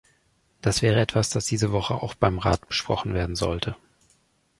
Das wäre etwas, das diese Woche auch beim Rat besprochen werden sollte.